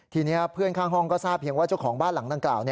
ทีนี้เพื่อนข้างห้องก็ทราบเพียงว่าเจ้าของบ้านหลังดังกล่าว